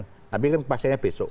tapi kan pastinya besok